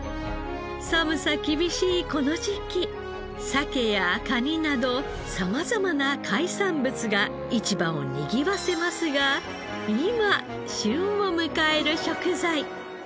寒さ厳しいこの時期サケやカニなど様々な海産物が市場をにぎわせますが今旬を迎える食材。